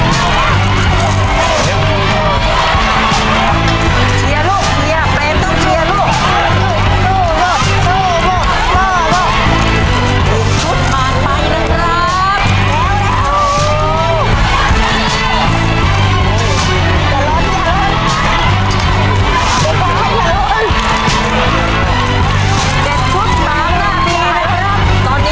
เชียร์ลูกเชียร์แปรงต้องเชียร์ลูก